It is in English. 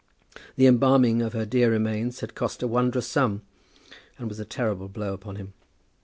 The embalming of her dear remains had cost a wondrous sum, and was a terrible blow upon him.